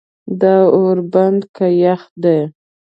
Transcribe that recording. دا ور بند که یخ دی.